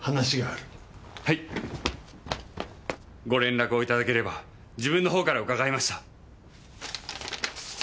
ご連絡をいただければ自分のほうから伺いました。